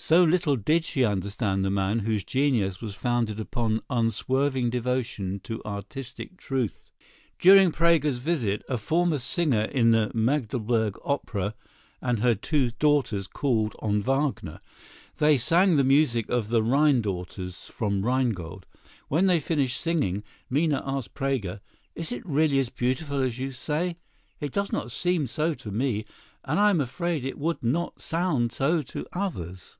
So little did she understand the man whose genius was founded upon unswerving devotion to artistic truth. During Praeger's visit, a former singer at the Magdeburg opera and her two daughters called on Wagner. They sang the music of the Rhine daughters from "Rheingold." When they finished singing, Minna asked Praeger: "Is it really as beautiful as you say? It does not seem so to me, and I'm afraid it would not sound so to others."